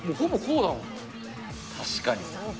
確かに。